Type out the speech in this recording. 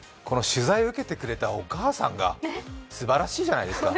取材受けてくれたお母さんがすばらしいじゃないですか。